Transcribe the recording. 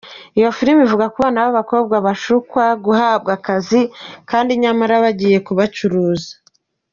Iyo filime ivuga ku bana b’abakobwa bashukwa guhabwa akazi kandi nyamara bagiye kubacuruza.